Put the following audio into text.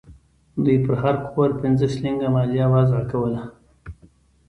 دوی پر هر کور پنځه شلینګه مالیه وضع کوله.